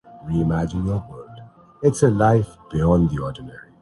سید Manzoor الحسن